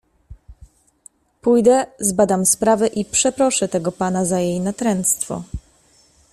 Pójdę, zbadam sprawę i przeproszę tego pana za jej natręctwo.